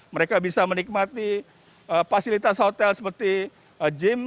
mereka bisa menikmati fasilitas hotel seperti gym